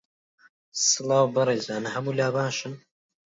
سڵاو بەڕێزان، هەوو لا باشن